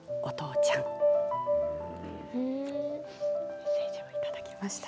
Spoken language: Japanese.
メッセージをいただきました。